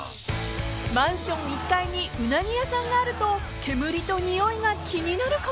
［マンション１階にうなぎ屋さんがあると煙とにおいが気になるかも］